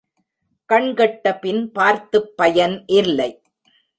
கண் கெட்ட பின் பார்த்துப் பயன் இல்லை.